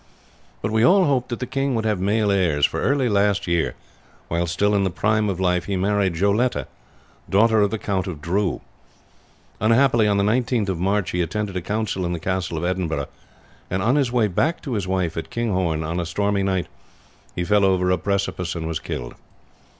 But we all hoped that the king would have male heirs, for early last year, while still in the prime of life, he married Joleta, daughter of the Count of Drew. Unhappily, on the 19th of March, he attended a council in the castle of Edinburgh, and on his way back to his wife at Kinghorn, on a stormy night, he fell over a precipice and was killed.